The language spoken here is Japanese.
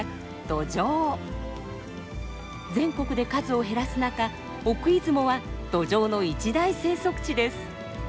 全国で数を減らす中奥出雲はドジョウの一大生息地です。